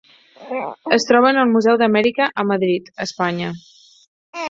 Es troba en el Museu d'Amèrica a Madrid, Espanya.